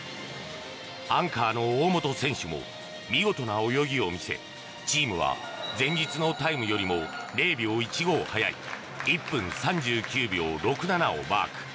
アンカーの大本選手も見事な泳ぎを見せチームは前日のタイムよりも０秒１５速い１分３９秒６７をマーク。